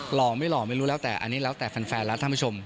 หล่อไม่หล่อไม่รู้แล้วแต่อันนี้แล้วแต่แฟนแล้วท่านผู้ชม